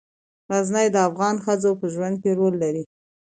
غزني د افغان ښځو په ژوند کې رول لري.